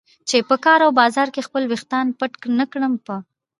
چې په کار او بازار کې خپل ویښتان پټ نه کړم. په